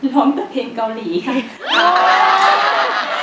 ร้องแต่เพลงเกาหลีค่ะ